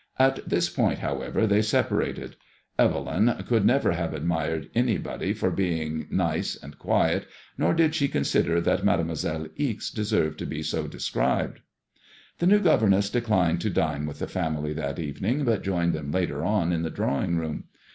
At this point, however, they separated. Evelyn could never MADEMOIS£LLl IXB. 19 have admired anybody for being nice and quiet, nor did she con sider that Mademoiselle Ixe de served to be so described. The new governess declined to dine with the family that evening, but joined them later on in the drawing room.